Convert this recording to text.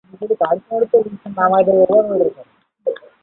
হয়তো মোটিত আছে, আপনারা ধরতে পারছেন।